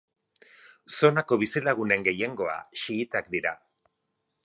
Zonako bizilagunen gehiengoa xiitak dira.